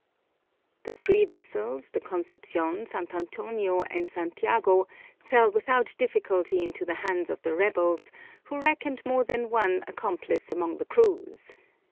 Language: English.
The three vessels, the Concepcion, Sant' Antonio, and Santiago, fell without difficulty into the hands of the rebels, who reckoned more than one accomplice among the crews.